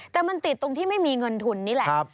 แต่มันติดตรงที่ไม่มีเงินทุนนี่แหละ